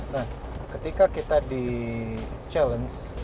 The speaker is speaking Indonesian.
nah ketika kita di challenge